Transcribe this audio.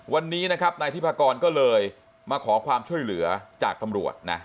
วันนี้นะครับนายทิพากรก็เลยมาขอความช่วยเหลือจากตำรวจนะ